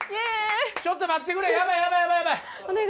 ちょっと待てくれヤバいヤバいヤバい！